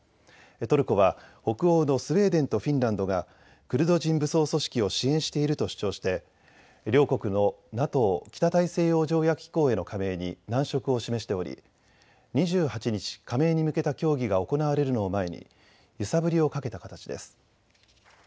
トルコは北欧のスウェーデンとフィンランドがクルド人武装組織を支援していると主張して両国のＮＡＴＯ・北大西洋条約機構への加盟に難色を示しており２８日、加盟に向けた協議が行われるのを前に揺さぶりをかけた形です。